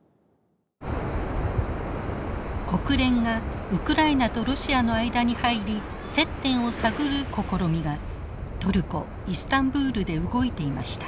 国連がウクライナとロシアの間に入り接点を探る試みがトルコ・イスタンブールで動いていました。